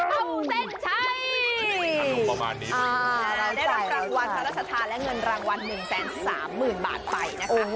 ขวัญภูเต้นชัยได้รับรางวัลทรัศนาและเงินรางวัล๑๓๐๐๐๐บาทไปนะคะ